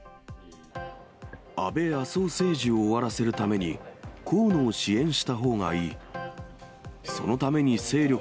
安倍・麻生政治を終わらせるために、河野を支援したほうがいい。